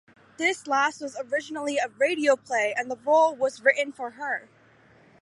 This last was originally a radio play and the role was written for her.